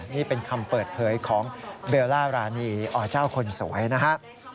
นี่เป็นคำเปิดเผยของเบลล่ารานีอเจ้าคนสวยนะครับ